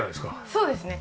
そうですね。